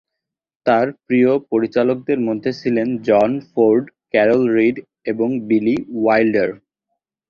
তাঁর প্রিয় পরিচালকদের মধ্যে ছিলেন জন ফোর্ড, ক্যারল রিড এবং বিলি ওয়াইল্ডার।